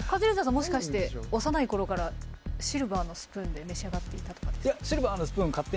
もしかして幼い頃からシルバーのスプーンで召し上がっていたとかですか？